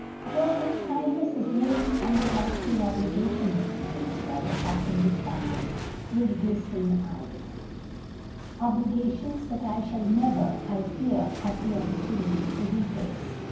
"Your great kindness is laying me under lasting obligations, Mr. Dinsmore," the captain responded, with glistening eyes, "obligations which I shall never, I fear, have an opportunity to repay."